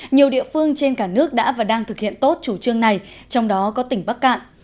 nhiều địa phương trên cả nước đã và đang thực hiện tốt chủ trương này trong đó có tỉnh bắc cạn